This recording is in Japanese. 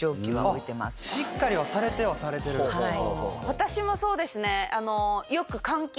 私もそうですね。